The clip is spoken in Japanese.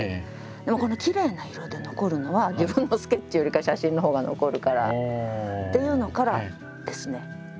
でもこのきれいな色で残るのは自分のスケッチよりかは写真のほうが残るからっていうのからですね。